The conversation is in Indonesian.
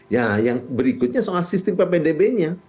ya yang berikutnya soal sistem ppdb nya